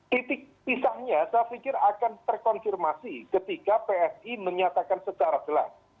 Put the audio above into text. titik pisahnya saya pikir akan terkonfirmasi ketika psi menyatakan secara jelas